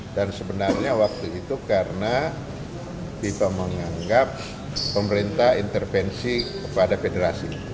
dan sebenarnya waktu itu karena bipa menganggap pemerintah intervensi kepada federasi